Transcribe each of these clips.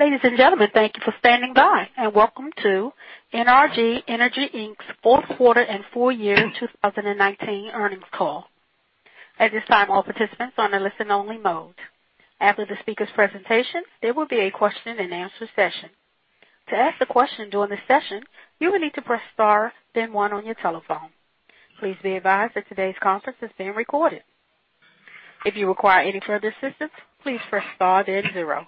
Ladies and gentlemen, thank you for standing by, and welcome to NRG Energy Inc's Q4 and Full Year 2019 Earnings Call. At this time, all participants are on a listen-only mode. After the speakers' presentation, there will be a question and answer session. To ask a question during the session, you will need to press star then one on your telephone. Please be advised that today's conference is being recorded. If you require any further assistance, please press star then zero.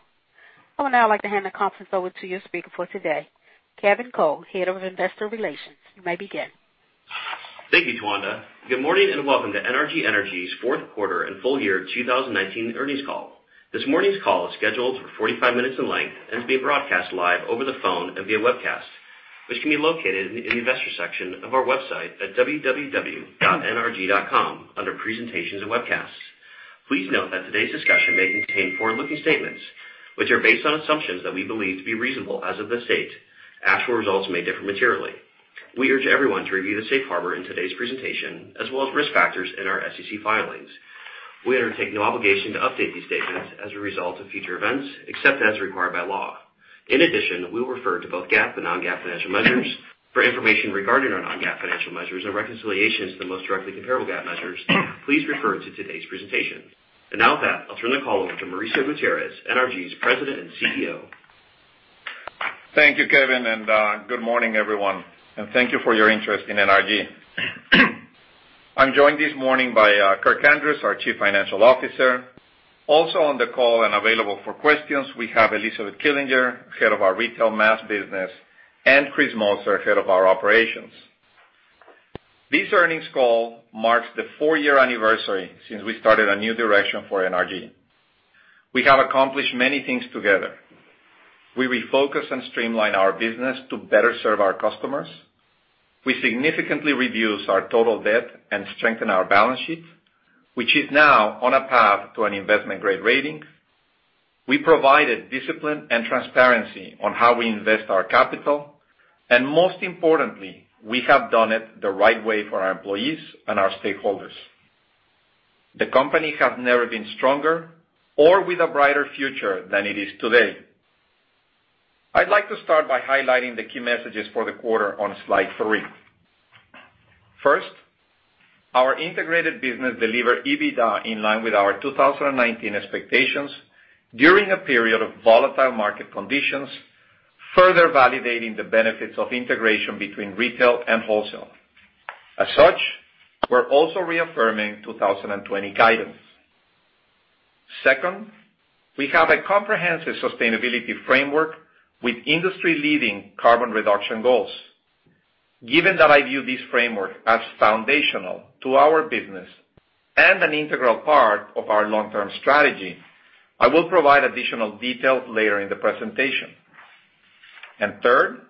I would now like to hand the conference over to your speaker for today, Kevin Cole, Head of Investor Relations. You may begin. Thank you, Tawanda. Good morning, and welcome to NRG Energy's Q4 and Full Year 2019 Earnings Call. This morning's call is scheduled for 45 minutes in length and is being broadcast live over the phone and via webcast, which can be located in the investor section of our website at www.nrg.com under presentations and webcasts. Please note that today's discussion may contain forward-looking statements, which are based on assumptions that we believe to be reasonable as of this date. Actual results may differ materially. We urge everyone to review the safe harbor in today's presentation, as well as risk factors in our SEC filings. We undertake no obligation to update these statements as a result of future events, except as required by law. In addition, we'll refer to both GAAP and non-GAAP financial measures. For information regarding our non-GAAP financial measures and reconciliations to the most directly comparable GAAP measures, please refer to today's presentation. Now with that, I'll turn the call over to Mauricio Gutierrez, NRG's President and CEO. Thank you, Kevin. Good morning, everyone. Thank you for your interest in NRG. I'm joined this morning by Kirk Andrews, our Chief Financial Officer. Also on the call and available for questions, we have Elizabeth Killinger, head of our retail mass business, and Chris Moser, head of our operations. This earnings call marks the four-year anniversary since we started a new direction for NRG. We have accomplished many things together. We refocused and streamlined our business to better serve our customers. We significantly reduced our total debt and strengthened our balance sheet, which is now on a path to an investment-grade rating. We provided discipline and transparency on how we invest our capital. Most importantly, we have done it the right way for our employees and our stakeholders. The company has never been stronger or with a brighter future than it is today. I'd like to start by highlighting the key messages for the quarter on slide three. First, our integrated business delivered EBITDA in line with our 2019 expectations during a period of volatile market conditions, further validating the benefits of integration between retail and wholesale. As such, we're also reaffirming 2020 guidance. Second, we have a comprehensive sustainability framework with industry-leading carbon reduction goals. Given that I view this framework as foundational to our business and an integral part of our long-term strategy, I will provide additional details later in the presentation. Third,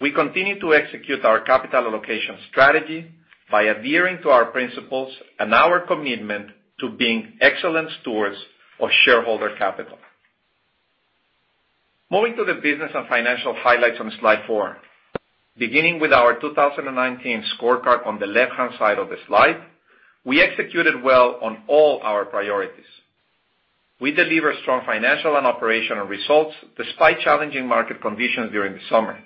we continue to execute our capital allocation strategy by adhering to our principles and our commitment to being excellent stewards of shareholder capital. Moving to the business and financial highlights on slide four. Beginning with our 2019 scorecard on the left-hand side of the slide, we executed well on all our priorities. We delivered strong financial and operational results despite challenging market conditions during the summer.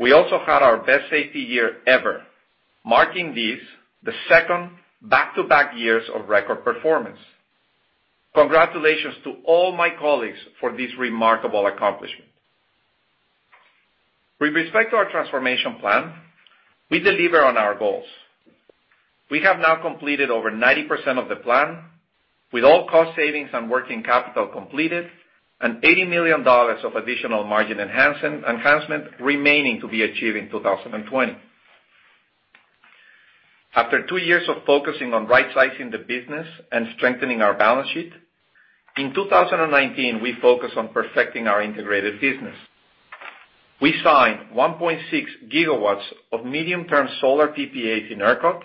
We also had our best safety year ever, marking this the second back-to-back years of record performance. Congratulations to all my colleagues for this remarkable accomplishment. With respect to our transformation plan, we delivered on our goals. We have now completed over 90% of the plan, with all cost savings and working capital completed and $80 million of additional margin enhancement remaining to be achieved in 2020. After two years of focusing on right-sizing the business and strengthening our balance sheet, in 2019, we focused on perfecting our integrated business. We signed 1.6 GW of medium-term solar PPAs in ERCOT,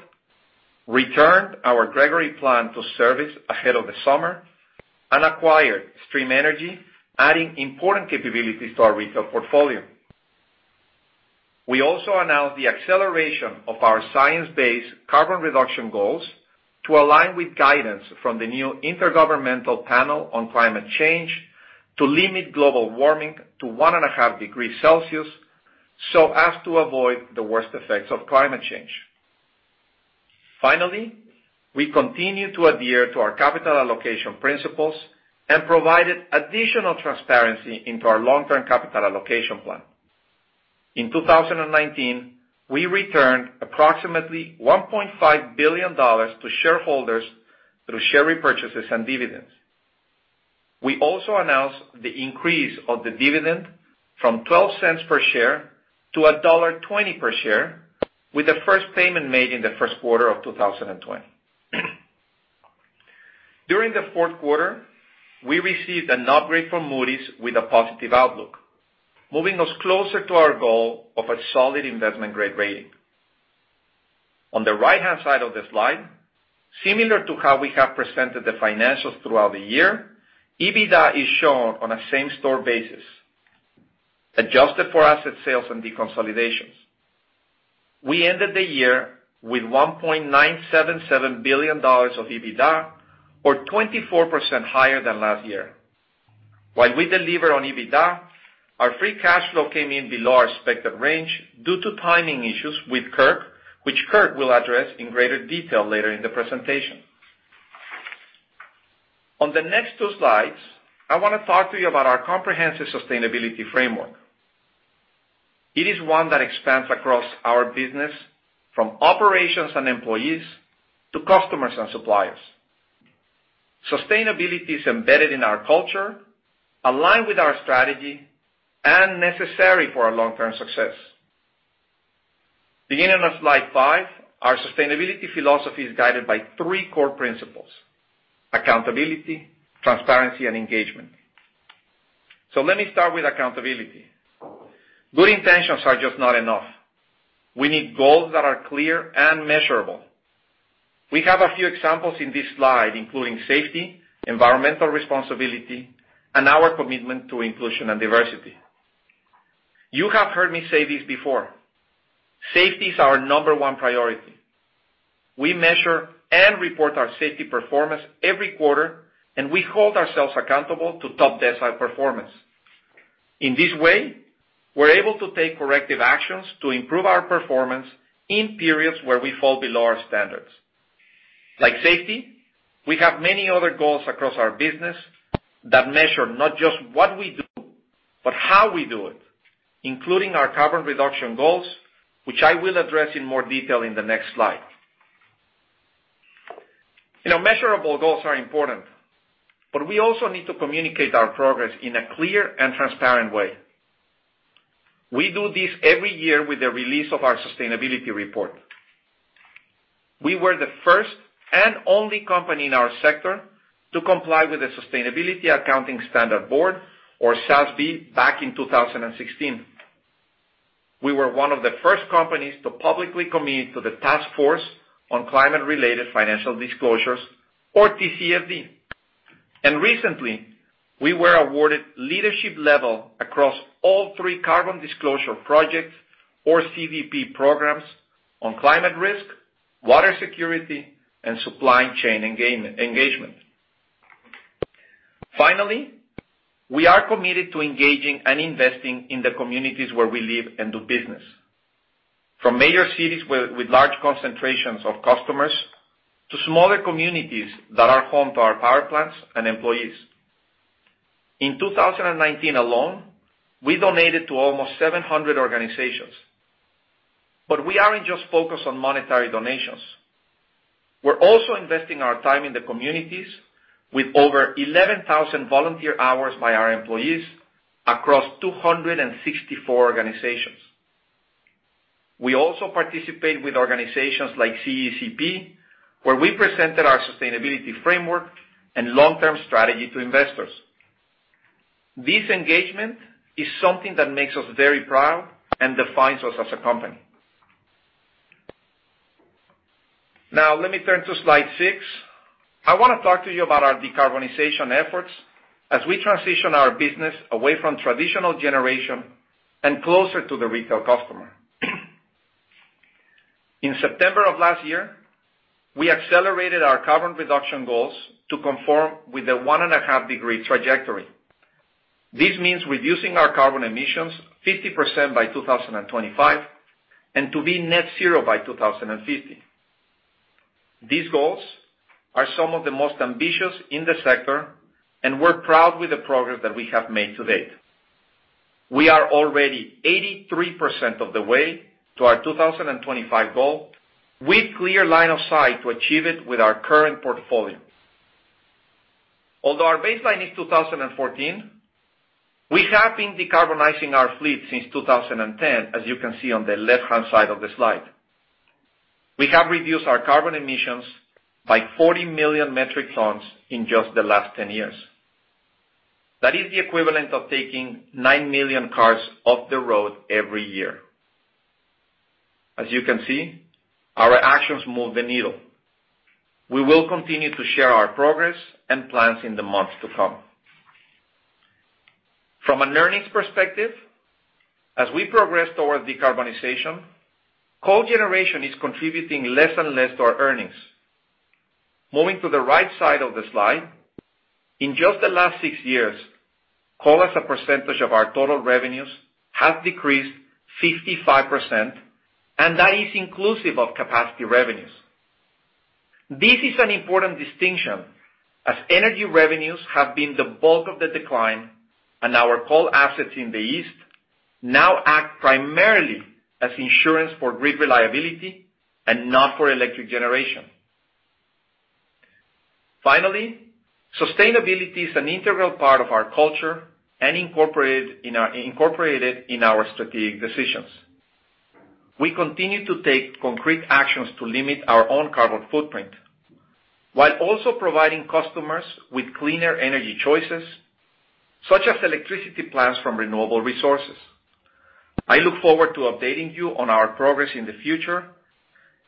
returned our Gregory plant to service ahead of the summer, and acquired Stream Energy, adding important capabilities to our retail portfolio. We also announced the acceleration of our science-based carbon reduction goals to align with guidance from the new Intergovernmental Panel on Climate Change to limit global warming to one and a half degrees Celsius so as to avoid the worst effects of climate change. We continue to adhere to our capital allocation principles and provided additional transparency into our long-term capital allocation plan. In 2019, we returned approximately $1.5 billion to shareholders through share repurchases and dividends. We also announced the increase of the dividend from $0.12 per share to $1.20 per share, with the first payment made in the first quarter of 2020. During the Q4, we received an upgrade from Moody's with a positive outlook, moving us closer to our goal of a solid investment-grade rating. On the right-hand side of the slide, similar to how we have presented the financials throughout the year, EBITDA is shown on a same-store basis. Adjusted for asset sales and deconsolidations. We ended the year with $1.977 billion of EBITDA, or 24% higher than last year. While we deliver on EBITDA, our free cash flow came in below our expected range due to timing issues with Kirk, which Kirk will address in greater detail later in the presentation. On the next two slides, I want to talk to you about our comprehensive sustainability framework. It is one that expands across our business from operations and employees to customers and suppliers. Sustainability is embedded in our culture, aligned with our strategy, and necessary for our long-term success. Beginning on slide five, our sustainability philosophy is guided by three core principles: accountability, transparency, and engagement. Let me start with accountability. Good intentions are just not enough. We need goals that are clear and measurable. We have a few examples in this slide, including safety, environmental responsibility, and our commitment to inclusion and diversity. You have heard me say this before, safety is our number one priority. We measure and report our safety performance every quarter, and we hold ourselves accountable to top decile performance. In this way, we're able to take corrective actions to improve our performance in periods where we fall below our standards. Like safety, we have many other goals across our business that measure not just what we do, but how we do it, including our carbon reduction goals, which I will address in more detail in the next slide. You know, measurable goals are important, but we also need to communicate our progress in a clear and transparent way. We do this every year with the release of our sustainability report. We were the first and only company in our sector to comply with the Sustainability Accounting Standards Board, or SASB, back in 2016. We were one of the first companies to publicly commit to the Task Force on Climate-related Financial Disclosures, or TCFD. Recently, we were awarded leadership level across all three Carbon Disclosure Projects, or CDP, programs on climate risk, water security, and supply chain engagement. Finally, we are committed to engaging and investing in the communities where we live and do business, from major cities with large concentrations of customers, to smaller communities that are home to our power plants and employees. In 2019 alone, we donated to almost 700 organizations. We aren't just focused on monetary donations. We're also investing our time in the communities with over 11,000 volunteer hours by our employees across 264 organizations. We also participate with organizations like CECP, where we presented our sustainability framework and long-term strategy to investors. This engagement is something that makes us very proud and defines us as a company. Now, let me turn to slide six. I want to talk to you about our decarbonization efforts as we transition our business away from traditional generation and closer to the retail customer. In September of last year, we accelerated our carbon reduction goals to conform with the one-and-a-half degree trajectory. This means reducing our carbon emissions 50% by 2025, and to be net zero by 2050. These goals are some of the most ambitious in the sector, and we're proud with the progress that we have made to date. We are already 83% of the way to our 2025 goal, with clear line of sight to achieve it with our current portfolio. Although our baseline is 2014, we have been decarbonizing our fleet since 2010, as you can see on the left-hand side of the slide. We have reduced our carbon emissions by 40 million metric tons in just the last 10 years. That is the equivalent of taking nine million cars off the road every year. As you can see, our actions move the needle. We will continue to share our progress and plans in the months to come. From an earnings perspective, as we progress toward decarbonization, coal generation is contributing less and less to our earnings. Moving to the right side of the slide, in just the last six years, coal as a percentage of our total revenues has decreased 55%. That is inclusive of capacity revenues. This is an important distinction, as energy revenues have been the bulk of the decline. Our coal assets in the East now act primarily as insurance for grid reliability and not for electric generation. Finally, sustainability is an integral part of our culture and incorporated in our strategic decisions. We continue to take concrete actions to limit our own carbon footprint, while also providing customers with cleaner energy choices, such as electricity plans from renewable resources. I look forward to updating you on our progress in the future.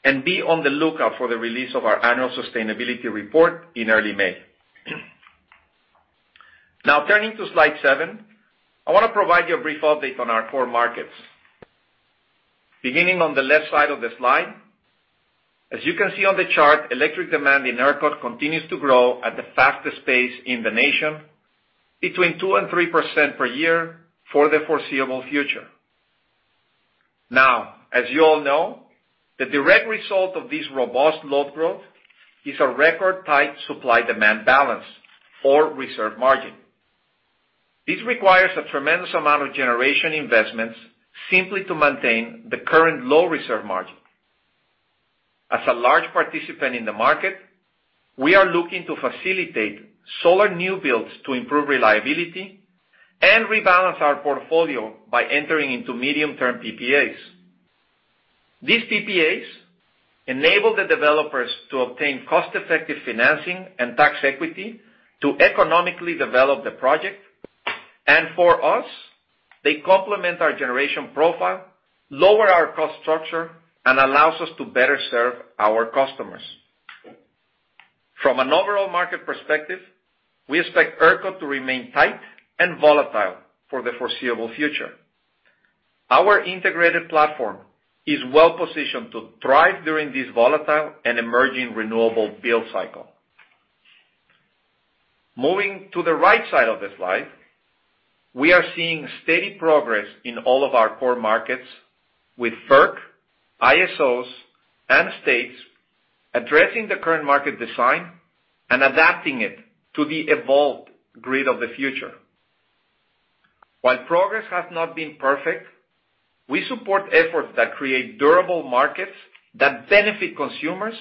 Be on the lookout for the release of our annual sustainability report in early May. Turning to slide seven, I want to provide you a brief update on our core markets. Beginning on the left side of the slide, as you can see on the chart, electric demand in ERCOT continues to grow at the fastest pace in the nation, between 2% and 3% per year for the foreseeable future. As you all know, the direct result of this robust load growth is a record-tight supply-demand balance or reserve margin. This requires a tremendous amount of generation investments simply to maintain the current low reserve margin. As a large participant in the market, we are looking to facilitate solar new builds to improve reliability and rebalance our portfolio by entering into medium-term PPAs. These PPAs enable the developers to obtain cost-effective financing and tax equity to economically develop the project. For us, they complement our generation profile, lower our cost structure, and allows us to better serve our customers. From an overall market perspective, we expect ERCOT to remain tight and volatile for the foreseeable future. Our integrated platform is well-positioned to thrive during this volatile and emerging renewable build cycle. Moving to the right side of the slide, we are seeing steady progress in all of our core markets with FERC, ISOs, and states addressing the current market design and adapting it to the evolved grid of the future. While progress has not been perfect, we support efforts that create durable markets that benefit consumers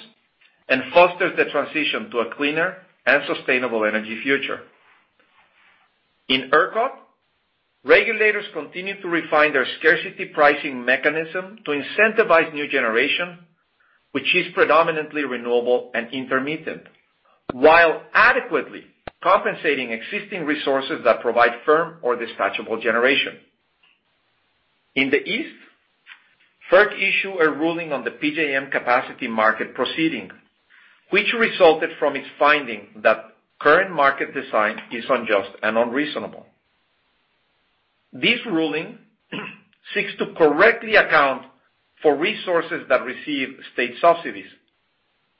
and fosters the transition to a cleaner and sustainable energy future. In ERCOT, regulators continue to refine their scarcity pricing mechanism to incentivize new generation, which is predominantly renewable and intermittent, while adequately compensating existing resources that provide firm or dispatchable generation. In the East, FERC issued a ruling on the PJM capacity market proceeding, which resulted from its finding that current market design is unjust and unreasonable. This ruling seeks to correctly account for resources that receive state subsidies,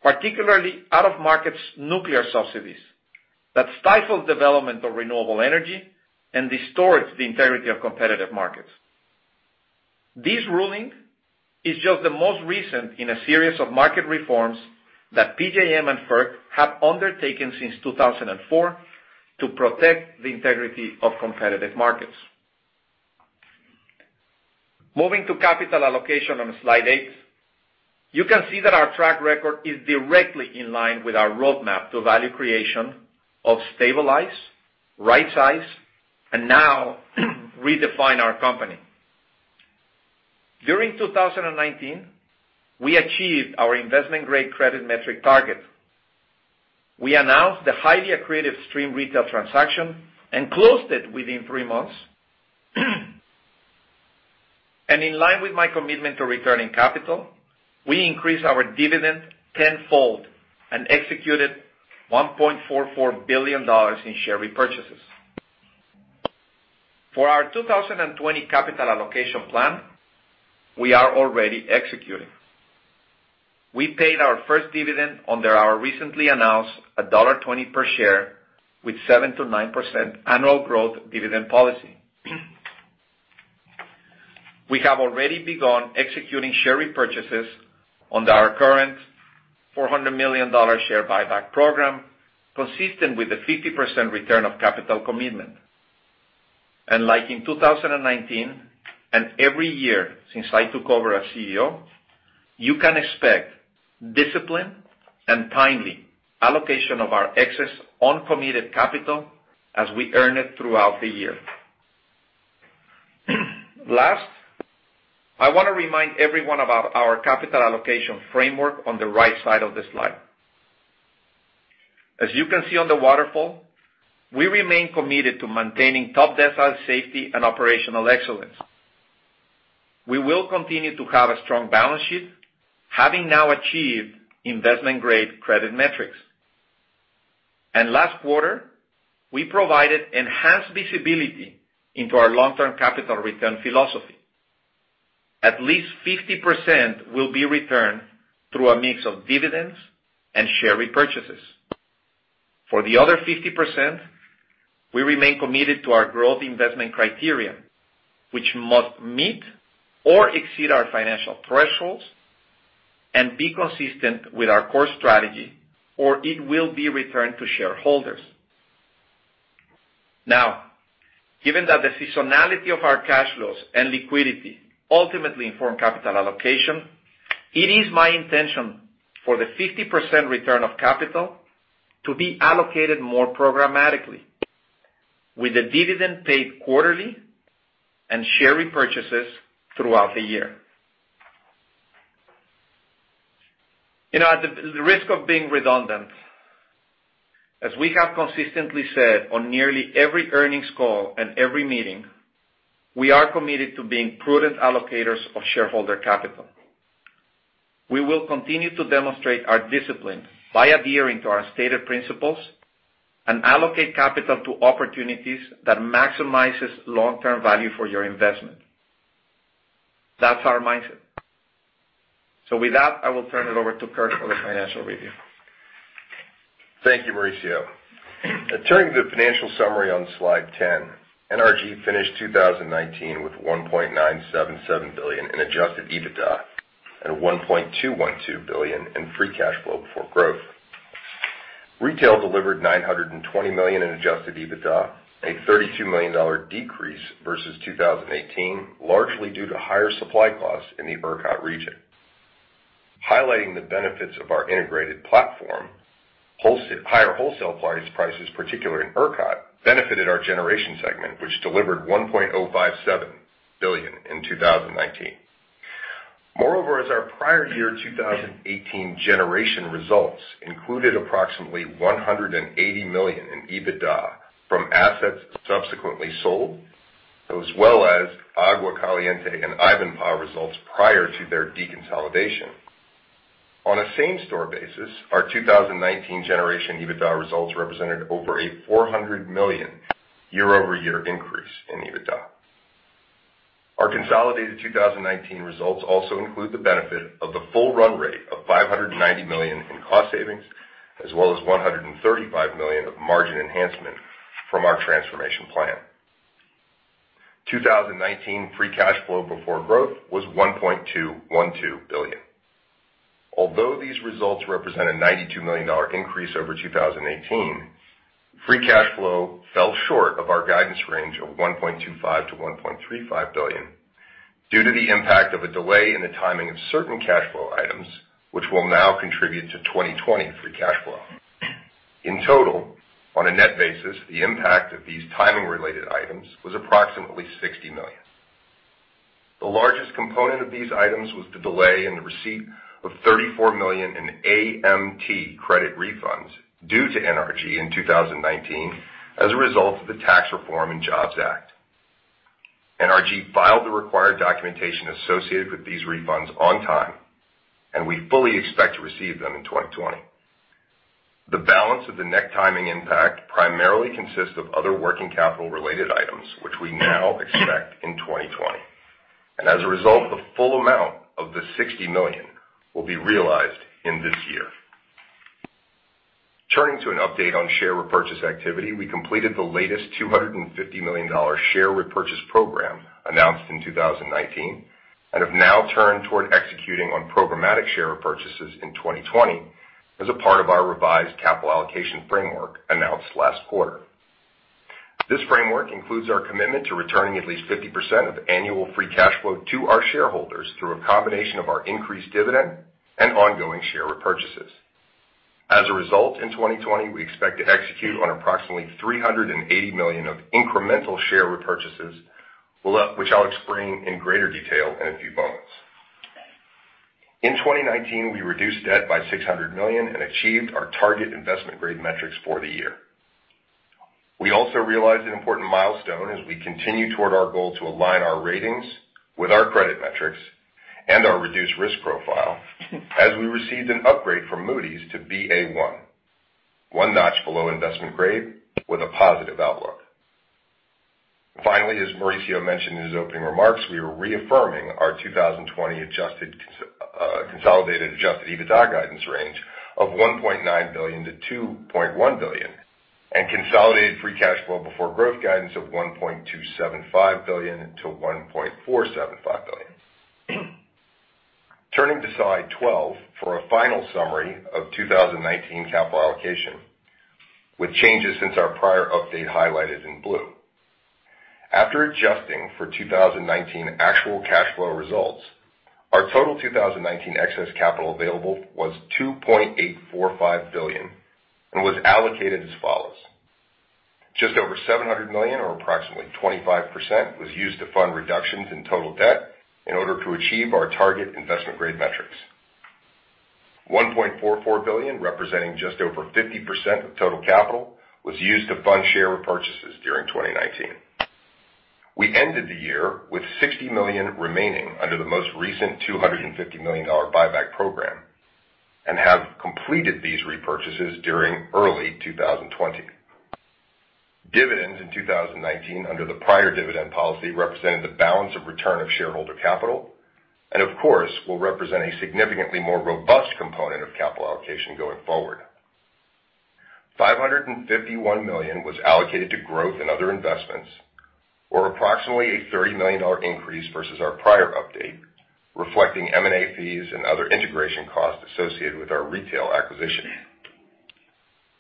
particularly out-of-markets nuclear subsidies that stifle development of renewable energy and distorts the integrity of competitive markets. This ruling is just the most recent in a series of market reforms that PJM and FERC have undertaken since 2004 to protect the integrity of competitive markets. Moving to capital allocation on slide eight, you can see that our track record is directly in line with our roadmap to value creation of stabilize, right-size, and now redefine our company. During 2019, we achieved our investment-grade credit metric target. We announced the highly accretive Stream retail transaction and closed it within three months. In line with my commitment to returning capital, we increased our dividend tenfold and executed $1.44 billion in share repurchases. For our 2020 capital allocation plan, we are already executing. We paid our first dividend under our recently announced $1.20 per share with 7%-9% annual growth dividend policy. We have already begun executing share repurchases under our current $400 million share buyback program, consistent with the 50% return of capital commitment. Like in 2019, and every year since I took over as CEO, you can expect discipline and timely allocation of our excess uncommitted capital as we earn it throughout the year. Last, I want to remind everyone about our capital allocation framework on the right side of the slide. As you can see on the waterfall, we remain committed to maintaining top-decile safety and operational excellence. We will continue to have a strong balance sheet, having now achieved investment-grade credit metrics. Last quarter, we provided enhanced visibility into our long-term capital return philosophy. At least 50% will be returned through a mix of dividends and share repurchases. For the other 50%, we remain committed to our growth investment criteria, which must meet or exceed our financial thresholds and be consistent with our core strategy, or it will be returned to shareholders. Given that the seasonality of our cash flows and liquidity ultimately inform capital allocation, it is my intention for the 50% return of capital to be allocated more programmatically with the dividend paid quarterly and share repurchases throughout the year. You know, at the risk of being redundant, as we have consistently said on nearly every earnings call and every meeting, we are committed to being prudent allocators of shareholder capital. We will continue to demonstrate our discipline by adhering to our stated principles and allocate capital to opportunities that maximizes long-term value for your investment. That's our mindset. With that, I will turn it over to Kirk for the financial review. Thank you, Mauricio. Turning to the financial summary on slide 10, NRG finished 2019 with $1.977 billion in Adjusted EBITDA and $1.212 billion in free cash flow before growth. Retail delivered $920 million in Adjusted EBITDA, a $32 million decrease versus 2018, largely due to higher supply costs in the ERCOT region. Highlighting the benefits of our integrated platform, higher wholesale prices, particularly in ERCOT, benefited our generation segment, which delivered $1.057 billion in 2019. As our prior year 2018 generation results included approximately $180 million in EBITDA from assets subsequently sold, as well as Agua Caliente and Ivanpah results prior to their deconsolidation. On a same-store basis, our 2019 generation EBITDA results represented over a $400 million year-over-year increase in EBITDA. Our consolidated 2019 results also include the benefit of the full run rate of $590 million in cost savings, as well as $135 million of margin enhancement from our transformation plan. 2019 free cash flow before growth was $1.212 billion. These results represent a $92 million increase over 2018, free cash flow fell short of our guidance range of $1.25 billion-$1.35 billion due to the impact of a delay in the timing of certain cash flow items, which will now contribute to 2020 free cash flow. In total, on a net basis, the impact of these timing-related items was approximately $60 million. The largest component of these items was the delay in the receipt of $34 million in AMT credit refunds due to NRG in 2019 as a result of the Tax Reform and Jobs Act. NRG filed the required documentation associated with these refunds on time, and we fully expect to receive them in 2020. The balance of the net timing impact primarily consists of other working capital-related items, which we now expect in 2020. As a result, the full amount of the $60 million will be realized in this year. Turning to an update on share repurchase activity, we completed the latest $250 million share repurchase program announced in 2019, and have now turned toward executing on programmatic share repurchases in 2020 as a part of our revised capital allocation framework announced last quarter. This framework includes our commitment to returning at least 50% of annual free cash flow to our shareholders through a combination of our increased dividend and ongoing share repurchases. As a result, in 2020, we expect to execute on approximately $380 million of incremental share repurchases, which I'll explain in greater detail in a few moments. In 2019, we reduced debt by $600 million and achieved our target investment grade metrics for the year. We also realized an important milestone as we continue toward our goal to align our ratings with our credit metrics and our reduced risk profile as we received an upgrade from Moody's to Ba1, one notch below investment grade with a positive outlook. As Mauricio mentioned in his opening remarks, we are reaffirming our 2020 consolidated Adjusted EBITDA guidance range of $1.9 billion-$2.1 billion and consolidated free cash flow before growth guidance of $1.275 billion-$1.475 billion. Turning to slide 12 for a final summary of 2019 capital allocation with changes since our prior update highlighted in blue. After adjusting for 2019 actual cash flow results, our total 2019 excess capital available was $2.845 billion and was allocated as follows. Just over $700 million or approximately 25% was used to fund reductions in total debt in order to achieve our target investment grade metrics. $1.44 billion, representing just over 50% of total capital, was used to fund share repurchases during 2019. We ended the year with $60 million remaining under the most recent $250 million buyback program and have completed these repurchases during early 2020. Dividends in 2019 under the prior dividend policy represented the balance of return of shareholder capital and, of course, will represent a significantly more robust component of capital allocation going forward. $551 million was allocated to growth in other investments, or approximately a $30 million increase versus our prior update, reflecting M&A fees and other integration costs associated with our retail acquisition.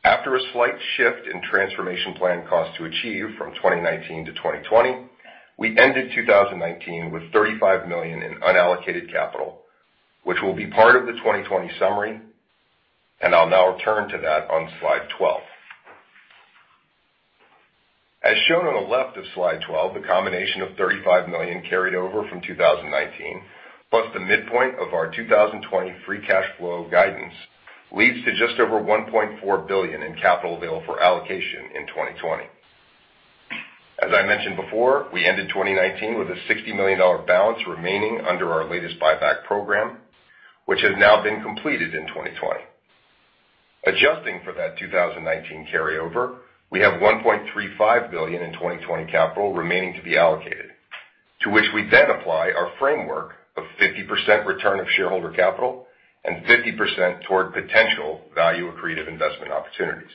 After a slight shift in transformation plan costs to achieve from 2019 to 2020, we ended 2019 with $35 million in unallocated capital, which will be part of the 2020 summary. I'll now turn to that on slide 12. As shown on the left of slide 12, the combination of $35 million carried over from 2019, plus the midpoint of our 2020 free cash flow guidance, leads to just over $1.4 billion in capital available for allocation in 2020. As I mentioned before, we ended 2019 with a $60 million balance remaining under our latest buyback program, which has now been completed in 2020. Adjusting for that 2019 carryover, we have $1.35 billion in 2020 capital remaining to be allocated, to which we then apply our framework of 50% return of shareholder capital and 50% toward potential value-accretive investment opportunities.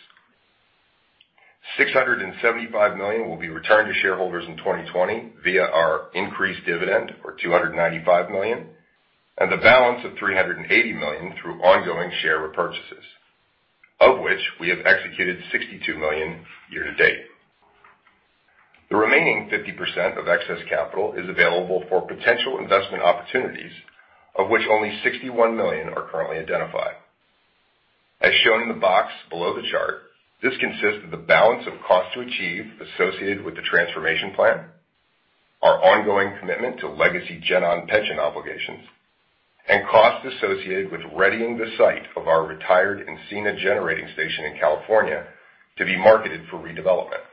$675 million will be returned to shareholders in 2020 via our increased dividend for $295 million, and the balance of $380 million through ongoing share repurchases, of which we have executed $62 million year to date. The remaining 50% of excess capital is available for potential investment opportunities, of which only $61 million are currently identified. As shown in the box below the chart, this consists of the balance of cost to achieve associated with the transformation plan, our ongoing commitment to legacy GenOn pension obligations, and costs associated with readying the site of our retired Encina generating station in California to be marketed for redevelopment.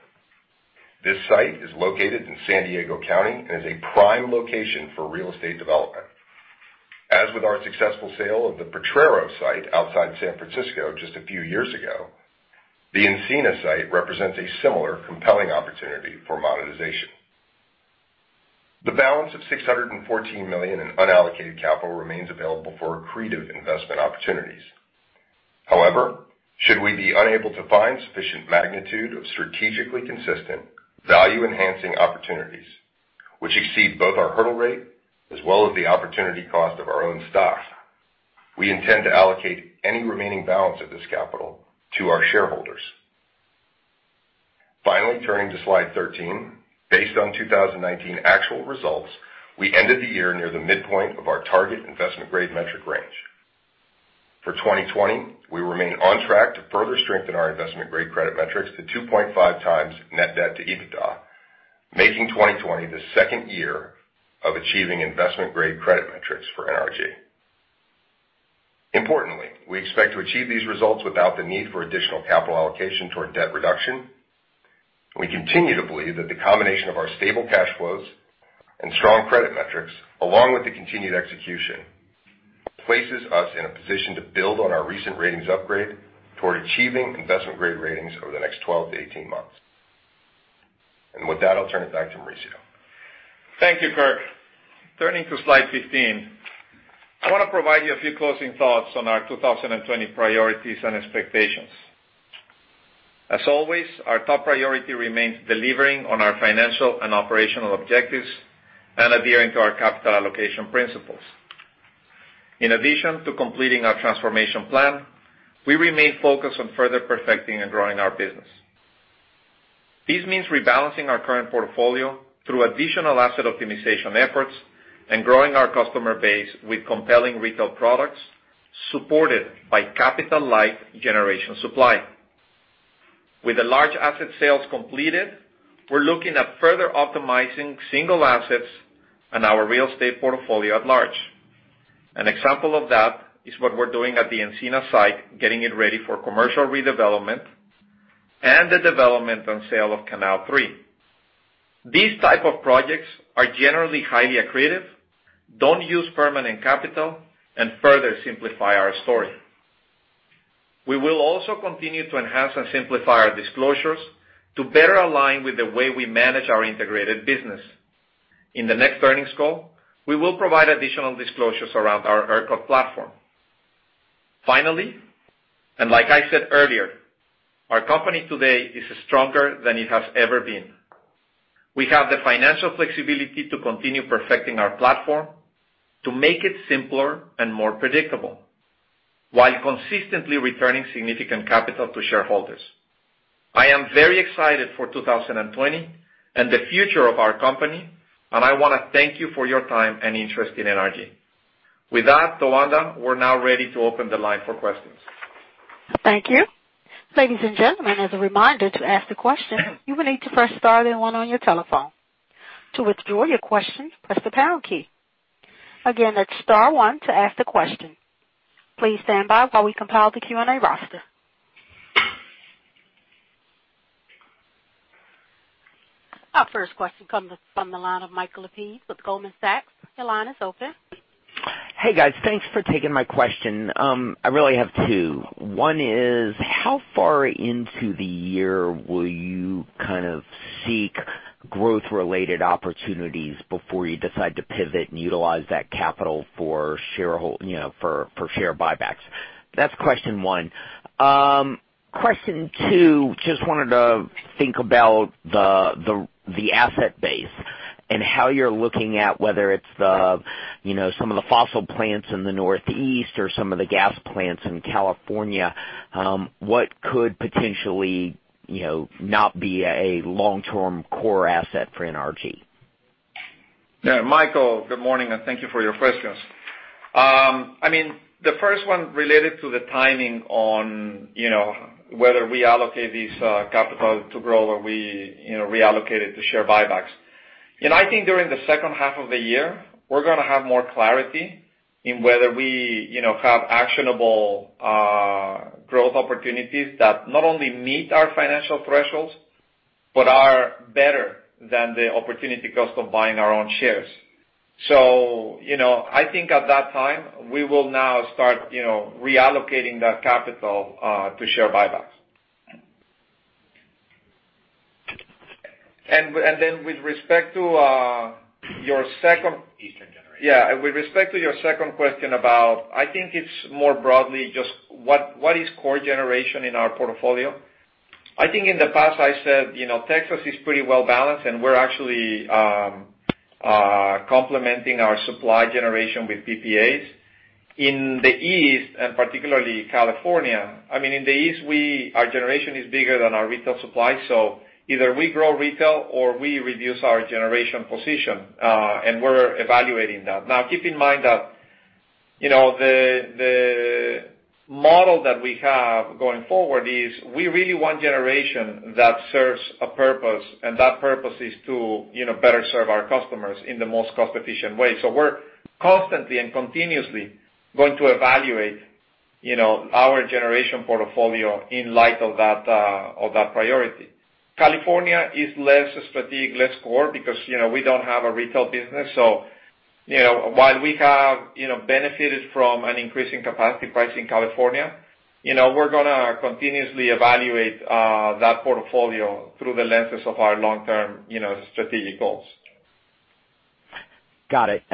This site is located in San Diego County and is a prime location for real estate development. As with our successful sale of the Potrero site outside San Francisco just a few years ago, the Encina site represents a similar compelling opportunity for monetization. The balance of $614 million in unallocated capital remains available for accretive investment opportunities. Should we be unable to find sufficient magnitude of strategically consistent, value-enhancing opportunities which exceed both our hurdle rate as well as the opportunity cost of our own stock, we intend to allocate any remaining balance of this capital to our shareholders. Turning to slide 13. Based on 2019 actual results, we ended the year near the midpoint of our target investment-grade metric range. For 2020, we remain on track to further strengthen our investment-grade credit metrics to 2.5x net debt to EBITDA, making 2020 the second year of achieving investment-grade credit metrics for NRG. Importantly, we expect to achieve these results without the need for additional capital allocation toward debt reduction. We continue to believe that the combination of our stable cash flows and strong credit metrics, along with the continued execution, places us in a position to build on our recent ratings upgrade toward achieving investment-grade ratings over the next 12-18 months. With that, I'll turn it back to Mauricio. Thank you, Kirkland. Turning to slide 15. I want to provide you a few closing thoughts on our 2020 priorities and expectations. As always, our top priority remains delivering on our financial and operational objectives and adhering to our capital allocation principles. In addition to completing our transformation plan, we remain focused on further perfecting and growing our business. This means rebalancing our current portfolio through additional asset optimization efforts and growing our customer base with compelling retail products supported by capital-light generation supply. With the large asset sales completed, we're looking at further optimizing single assets and our real estate portfolio at large. An example of that is what we're doing at the Encina site, getting it ready for commercial redevelopment, and the development and sale of Canal 3. These type of projects are generally highly accretive, don't use permanent capital, and further simplify our story. We will also continue to enhance and simplify our disclosures to better align with the way we manage our integrated business. In the next earnings call, we will provide additional disclosures around our ERCOT platform. Finally, like I said earlier, our company today is stronger than it has ever been. We have the financial flexibility to continue perfecting our platform to make it simpler and more predictable while consistently returning significant capital to shareholders. I am very excited for 2020 and the future of our company, and I want to thank you for your time and interest in NRG. With that, Tawanda, we're now ready to open the line for questions. Thank you. Ladies and gentlemen, as a reminder, to ask a question, you will need to press star then one on your telephone. To withdraw your question, press the pound key. Again, that's star one to ask the question. Please stand by while we compile the Q&A roster. Our first question comes from the line of Michael Lapides with Goldman Sachs. Your line is open. Hey, guys. Thanks for taking my question. I really have two. One is, how far into the year will you kind of seek growth-related opportunities before you decide to pivot and utilize that capital for share buybacks? That's question one. Question two, just wanted to think about the asset base and how you're looking at whether it's some of the fossil plants in the Northeast or some of the gas plants in California. What could potentially not be a long-term core asset for NRG? Yeah, Michael, good morning, and thank you for your questions. The first one related to the timing on whether we allocate this capital to grow or we reallocate it to share buybacks. I think during the H2 of the year, we're going to have more clarity in whether we have actionable growth opportunities that not only meet our financial thresholds, but are better than the opportunity cost of buying our own shares. I think at that time, we will now start reallocating that capital to share buybacks. Yeah. With respect to your second question about, I think it's more broadly just what is core generation in our portfolio? I think in the past I said, Texas is pretty well-balanced, and we're actually complementing our supply generation with PPAs. In the East, and particularly California, our generation is bigger than our retail supply, so either we grow retail or we reduce our generation position. We're evaluating that. Now, keep in mind that the model that we have going forward is we really want generation that serves a purpose, and that purpose is to better serve our customers in the most cost-efficient way. We're constantly and continuously going to evaluate our generation portfolio in light of that priority. California is less strategic, less core, because we don't have a retail business. While we have benefited from an increase in capacity price in California, we're going to continuously evaluate that portfolio through the lenses of our long-term strategic goals. Got it.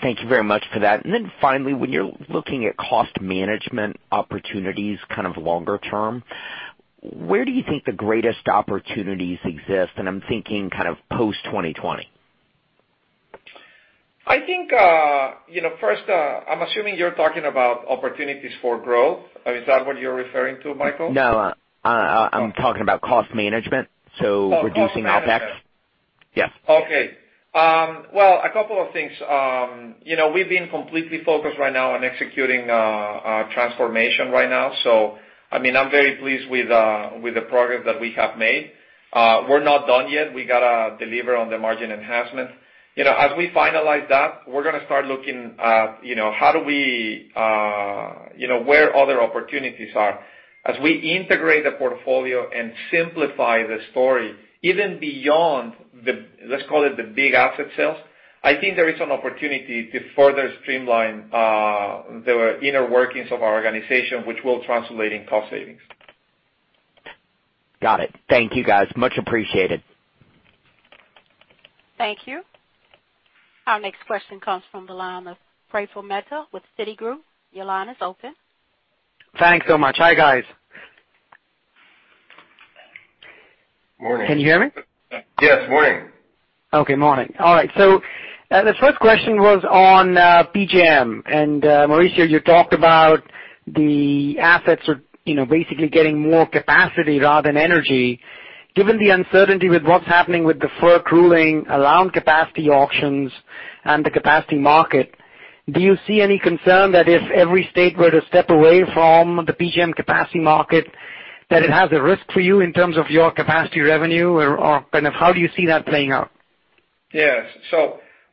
Thank you very much for that. Then finally, when you're looking at cost management opportunities kind of longer term, where do you think the greatest opportunities exist? I'm thinking kind of post 2020. I think, first, I'm assuming you're talking about opportunities for growth. Is that what you're referring to, Michael? No. I'm talking about cost management, so reducing OpEx. Oh, cost management. Yes. Okay. Well, a couple of things. We've been completely focused right now on executing our transformation right now. I'm very pleased with the progress that we have made. We're not done yet. We got to deliver on the margin enhancement. As we finalize that, we're going to start looking where other opportunities are. As we integrate the portfolio and simplify the story, even beyond the, let's call it, the big asset sales, I think there is an opportunity to further streamline the inner workings of our organization, which will translate in cost savings. Got it. Thank you, guys. Much appreciated. Thank you. Our next question comes from the line of Praful Mehta with Citigroup. Your line is open. Thanks so much. Hi, guys. Morning. Can you hear me? Yes. Morning. Okay. Morning. All right. The first question was on PJM. Mauricio, you talked about the assets are basically getting more capacity rather than energy. Given the uncertainty with what's happening with the FERC ruling around capacity auctions and the capacity market, do you see any concern that if every state were to step away from the PJM capacity market, that it has a risk for you in terms of your capacity revenue? How do you see that playing out? Yes.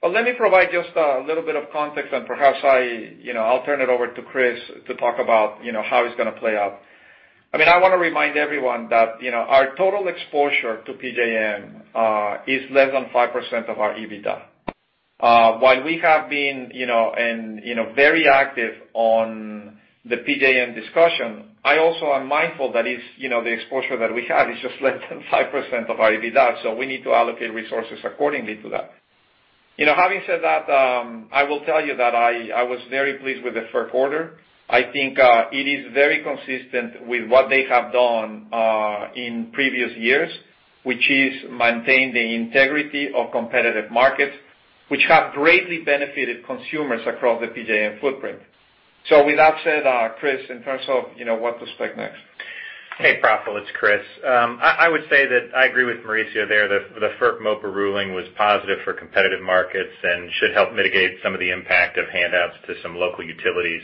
Let me provide just a little bit of context, and perhaps I'll turn it over to Chris to talk about how it's going to play out. I want to remind everyone that our total exposure to PJM is less than 5% of our EBITDA. While we have been very active on the PJM discussion, I also am mindful that the exposure that we have is just less than 5% of our EBITDA, so we need to allocate resources accordingly to that. Having said that, I will tell you that I was very pleased with the FERC order. I think it is very consistent with what they have done in previous years, which is maintain the integrity of competitive markets, which have greatly benefited consumers across the PJM footprint. With that said, Chris, in terms of what to expect next. Hey, Praful, it's Chris. I would say that I agree with Mauricio there, the FERC MOPR ruling was positive for competitive markets and should help mitigate some of the impact of handouts to some local utilities.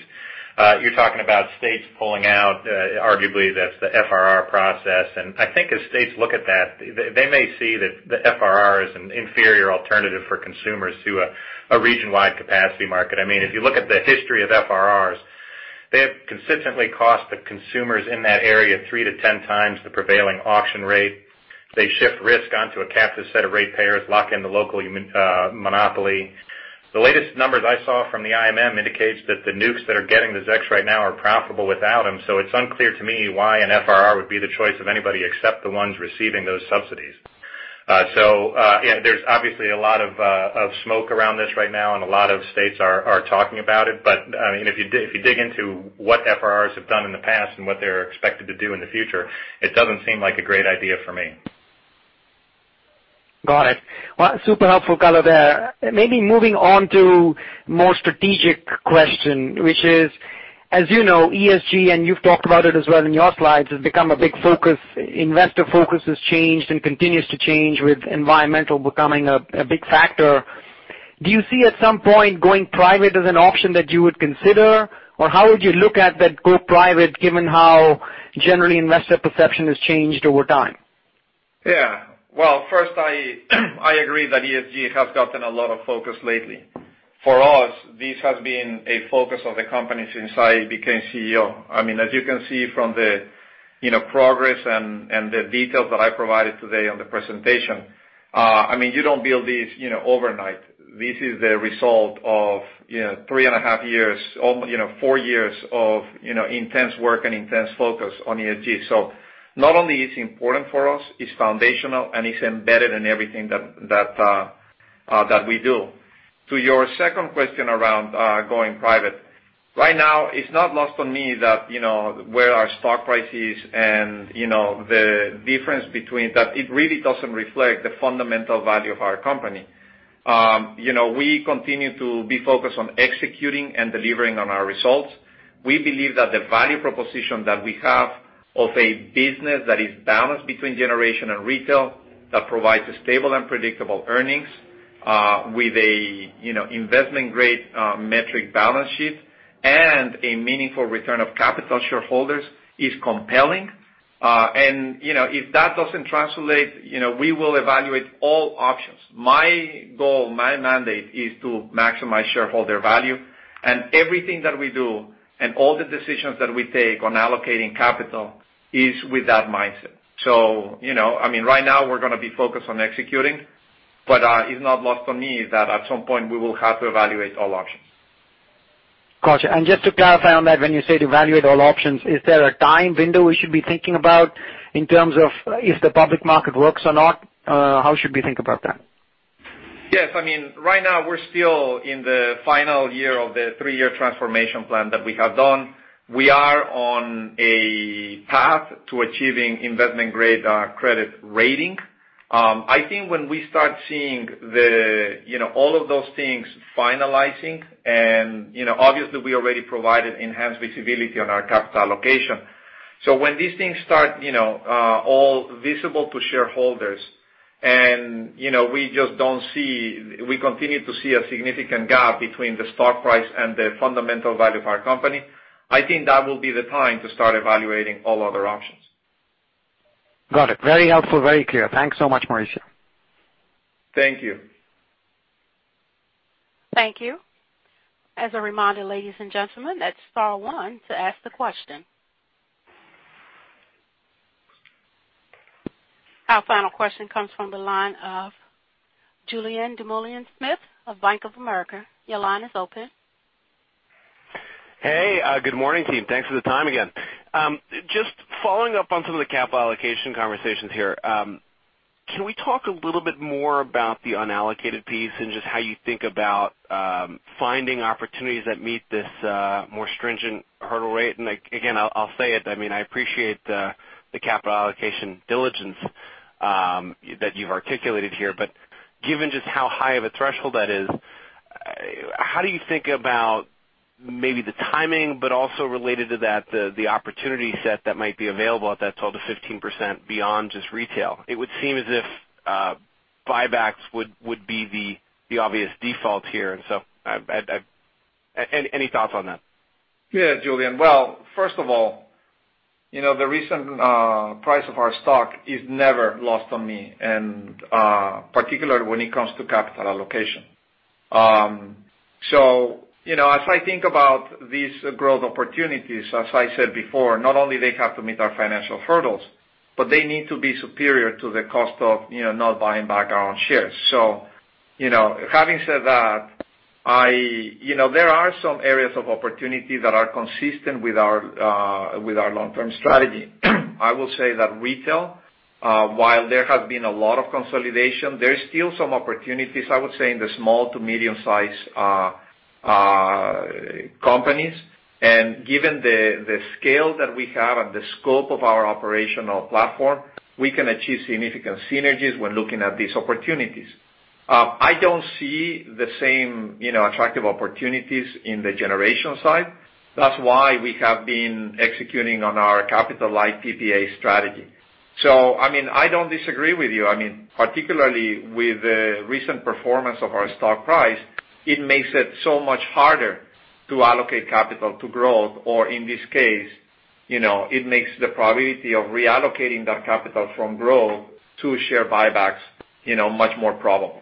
You're talking about states pulling out, arguably that's the FRR process. I think as states look at that, they may see that the FRR is an inferior alternative for consumers to a region-wide capacity market. If you look at the history of FRRs, they have consistently cost the consumers in that area 3x-10x the prevailing auction rate. They shift risk onto a captive set of ratepayers, lock in the local monopoly. The latest numbers I saw from the IMM indicates that the nukes that are getting the ZECs right now are profitable without them. It's unclear to me why an FRR would be the choice of anybody except the ones receiving those subsidies. There's obviously a lot of smoke around this right now and a lot of states are talking about it. If you dig into what FRRs have done in the past and what they're expected to do in the future, it doesn't seem like a great idea for me. Got it. Super helpful color there. Maybe moving on to more strategic question, which is, as you know, ESG, and you've talked about it as well in your slides, has become a big focus. Investor focus has changed and continues to change with environmental becoming a big factor. Do you see at some point, going private as an option that you would consider? Or how would you look at that go private given how generally investor perception has changed over time? First I agree that ESG has gotten a lot of focus lately. For us, this has been a focus of the company since I became CEO. As you can see from the progress and the details that I provided today on the presentation, you don't build these overnight. This is the result of three and a half years, almost four years of intense work and intense focus on ESG. Not only is it important for us, it's foundational, and it's embedded in everything that we do. To your second question around going private. Right now, it's not lost on me that where our stock price is and the difference between that, it really doesn't reflect the fundamental value of our company. We continue to be focused on executing and delivering on our results. We believe that the value proposition that we have of a business that is balanced between generation and retail, that provides a stable and predictable earnings, with an investment-grade metric balance sheet, and a meaningful return of capital to shareholders, is compelling. If that doesn't translate, we will evaluate all options. My goal, my mandate, is to maximize shareholder value. Everything that we do and all the decisions that we take on allocating capital is with that mindset. Right now we're going to be focused on executing, but it's not lost on me that at some point we will have to evaluate all options. Got you. Just to clarify on that, when you say to evaluate all options, is there a time window we should be thinking about in terms of if the public market works or not? How should we think about that? Yes. Right now we're still in the final year of the three-year transformation plan that we have done. We are on a path to achieving investment-grade credit rating. I think when we start seeing all of those things finalizing and obviously, we already provided enhanced visibility on our capital allocation. When these things start all visible to shareholders and we continue to see a significant gap between the stock price and the fundamental value of our company, I think that will be the time to start evaluating all other options. Got it. Very helpful, very clear. Thanks so much, Mauricio. Thank you. Thank you. As a reminder, ladies and gentlemen, that's star one to ask the question. Our final question comes from the line of Julien Dumoulin-Smith of Bank of America. Your line is open. Hey, good morning team. Thanks for the time again. Just following up on some of the capital allocation conversations here. Can we talk a little bit more about the unallocated piece and just how you think about finding opportunities that meet this more stringent hurdle rate? Again, I'll say it, I appreciate the capital allocation diligence that you've articulated here. Given just how high of a threshold that is, how do you think about maybe the timing, but also related to that, the opportunity set that might be available at that 12%-15% beyond just retail? It would seem as if buybacks would be the obvious default here. Any thoughts on that? Yeah. Julien. Well, first of all, the recent price of our stock is never lost on me, and particularly when it comes to capital allocation. As I think about these growth opportunities, as I said before, not only they have to meet our financial hurdles, but they need to be superior to the cost of not buying back our own shares. Having said that, there are some areas of opportunity that are consistent with our long-term strategy. I will say that retail, while there has been a lot of consolidation, there is still some opportunities, I would say, in the small-to-medium-size companies. Given the scale that we have and the scope of our operational platform, we can achieve significant synergies when looking at these opportunities. I don't see the same attractive opportunities in the generation side. That's why we have been executing on our capital light PPA strategy. I don't disagree with you. Particularly with the recent performance of our stock price, it makes it so much harder to allocate capital to growth. In this case, it makes the probability of reallocating that capital from growth to share buybacks much more probable.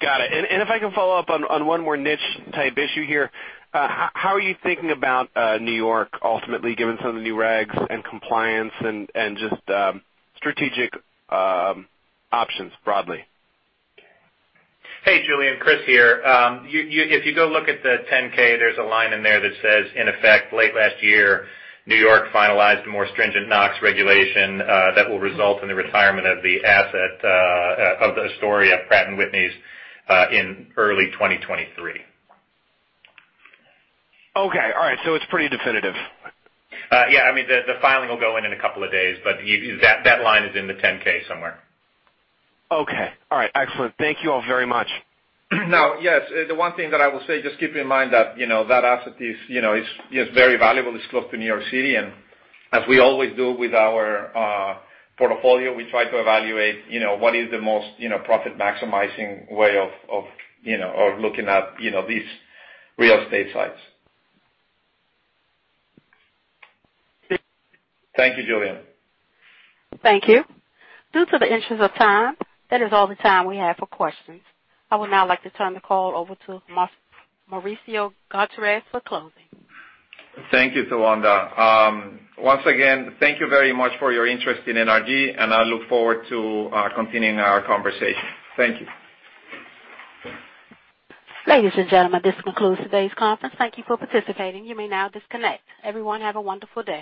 Got it. If I can follow up on one more niche type issue here. How are you thinking about New York ultimately, given some of the new regs and compliance and just strategic options broadly? Hey, Julien. Chris here. If you go look at the 10-K, there's a line in there that says, in effect, late last year, New York finalized a more stringent NOx regulation that will result in the retirement of the asset of the Astoria Pratt & Whitney in early 2023. Okay. All right. It's pretty definitive. Yeah. The filing will go in in a couple of days, but that line is in the 10-K somewhere. Okay. All right. Excellent. Thank you all very much. Now, yes, the one thing that I will say, just keep in mind that asset is very valuable. It's close to New York City. As we always do with our portfolio, we try to evaluate what is the most profit-maximizing way of looking at these real estate sites. Thank you, Julien. Thank you. Due to the interest of time, that is all the time we have for questions. I would now like to turn the call over to Mauricio Gutierrez for closing. Thank you, Tawanda. Once again, thank you very much for your interest in NRG, and I look forward to continuing our conversation. Thank you. Ladies and gentlemen, this concludes today's conference. Thank you for participating. You may now disconnect. Everyone, have a wonderful day.